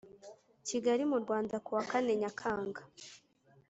Kigali mu Rwanda ku wa kane Nyakanga